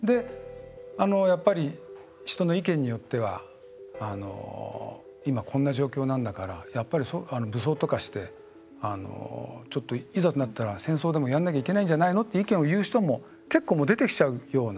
やっぱり、人の意見によっては今、こんな状況なんだから武装とかして、いざとなったら戦争とかやんなきゃいけないんじゃないのっていう意見を言う人も結構出てきちゃうような。